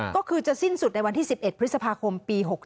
ก็คือจะสิ้นสุดในวันที่๑๑พฤษภาคมปี๖๓